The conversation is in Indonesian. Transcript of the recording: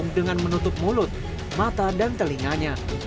dengan menutup mulut mata dan telinganya